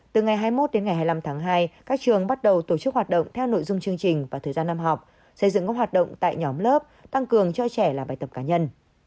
từ ngày hai mươi một đến ngày hai mươi năm tháng hai các trường bắt đầu tổ chức hoạt động theo nội dung chương trình và thời gian năm học xây dựng các hoạt động tại nhóm lớp tăng cường cho trẻ là bài tập cá nhân